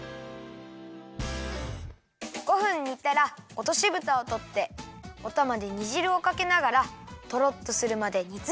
５分煮たらおとしぶたをとっておたまで煮じるをかけながらとろっとするまで煮つめるよ。